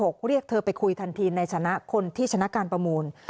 วันถัดมา๒๖เรียกเธอไปคุยทันทีในชนะคนที่ชนะการประมูล